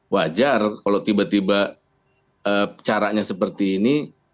wajar kalau tiba tiba caranya seperti ini